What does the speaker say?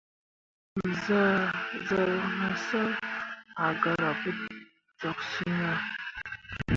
Zah zaa masǝŋ a gara pu toksyiŋ ah.